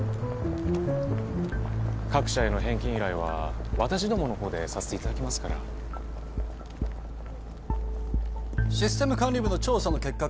各社への返金依頼は私どものほうでさせていただきますからシステム管理部の調査の結果